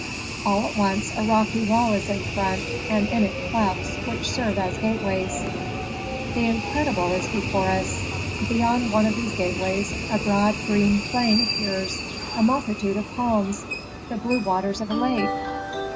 All at once a rocky wall is in front, and in it clefts, which serve as gateways. The incredible is before us. Beyond one of these gateways a broad green plain appears, a multitude of palms, the blue waters of a lake.